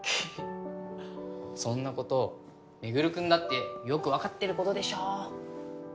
そんなこと周君だってよく分かってることでしょ？